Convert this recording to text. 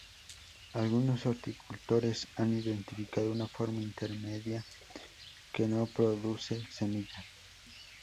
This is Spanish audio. Algunos horticultores han identificado una forma intermedia que no produce semillas.